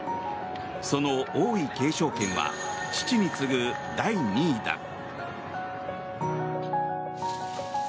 その王位継承権は父に次ぐ第２位だ。